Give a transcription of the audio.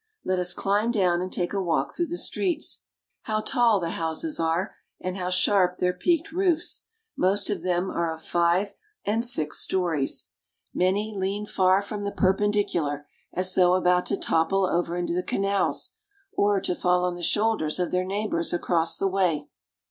Let us climb down and take a walk through the streets. How tall the houses are and how sharp their peaked roofs! Most of them are of five and six stories. Many A Canal in Winter. I48 THE NETHERLANDS. lean far from the perpendicular, as though about to topple over into the canals, or to fall on the shoulders of their neighbors across the way.